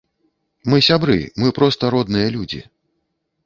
Мы сябры, мы проста родныя людзі.